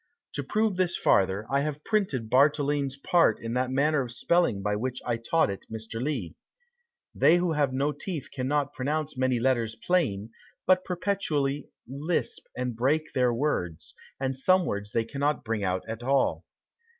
To prove this farther, I have printed Bartoline's part in that manner of spelling by which I taught it Mr. Lee. They who have no teeth cannot pronounce many letters plain, but perpetually lisp and break their words, and some words they cannot bring out at all.